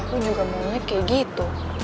aku juga mau ngeliat kayak gitu